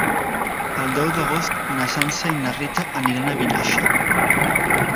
El deu d'agost na Sança i na Rita aniran a Vinaixa.